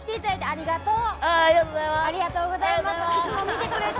ありがとう。